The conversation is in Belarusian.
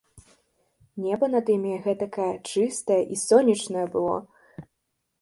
Неба над імі гэтакае чыстае і сонечнае было!